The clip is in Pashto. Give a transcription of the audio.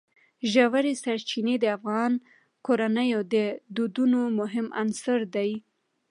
ژورې سرچینې د افغان کورنیو د دودونو مهم عنصر دی.